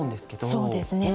そうですね。